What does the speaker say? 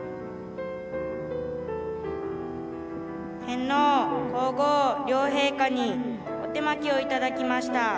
天皇皇后両陛下にお手播きをいただきました。